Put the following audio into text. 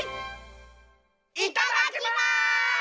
いただきます！